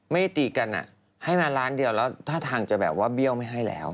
ไม่ตีกันให้มาล้านเดียวแล้วท่าทางจะแบบว่าเบี้ยวไม่ให้แล้ว